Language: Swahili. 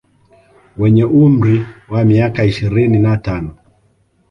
Wenye umri wa miaka ishirini na tano